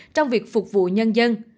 trong việc phục vụ nhân dân